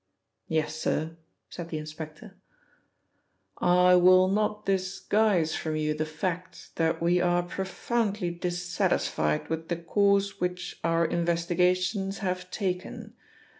"Yes, sir," said the inspector. "I will not disguise from you the fact that we are profoundly dissatisfied with the course which our investigations have taken.